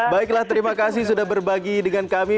baiklah terima kasih sudah berbagi dengan kami